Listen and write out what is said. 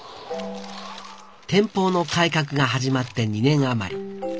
天保の改革が始まって２年余り。